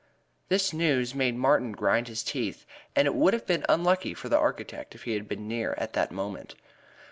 This news made Martin grind his teeth, and it would have been unlucky for the architect if he had been near at that moment.